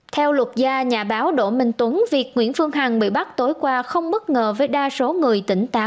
theo luật gia nhà báo đỗ minh tuấn việc nguyễn phương hằng bị bắt tối qua không bất ngờ với đa số người tỉnh táo